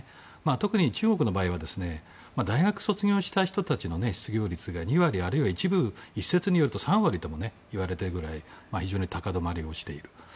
特に中国の場合は大学を卒業した人たちの失業率が２割一説によると３割といわれているぐらい非常に高止まりしている。